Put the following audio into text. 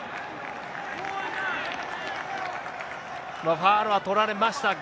ファウルは取られましたが。